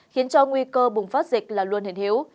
khiến cho nguy cơ bùng phát dịch là luôn hình hiệu